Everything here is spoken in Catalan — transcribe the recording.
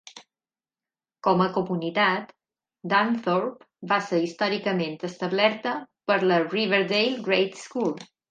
Com a comunitat, Dunthorpe va ser històricament establerta per la Riverdale Grade School.